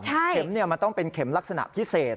เข็มมันต้องเป็นเข็มลักษณะพิเศษ